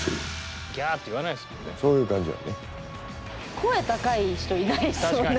声高い人いないですよね。